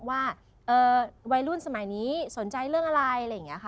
ว่าวัยรุ่นสมัยนี้สนใจเรื่องอะไร